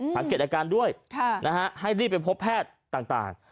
สังเกตอาการด้วยให้รีบไปพบแพทย์ต่าง